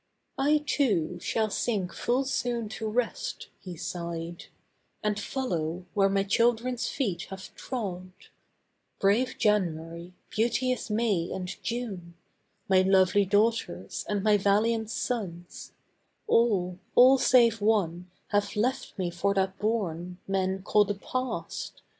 'I, too, shall sink full soon to rest,' he sighed, 'And follow where my children's feet have trod; Brave January, beauteous May and June, My lovely daughters, and my valiant sons, All, all save one, have left me for that bourne Men call the Past.